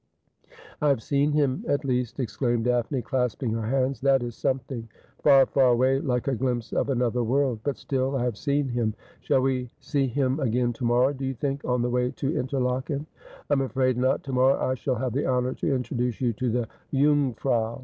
' I have seen him, at least,' exclaimed Daphne, clasping her hands ;' that is something. Far, far away, like a glimpse of another world : but still I have seen him. Shall we see him again to morrow, do you think, on the way to Interlaken ?' 'I'm afraid not. To morrow I shall have the honour to introduce you to the Jungfrau.'